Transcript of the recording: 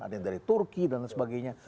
ada yang dari turki dan sebagainya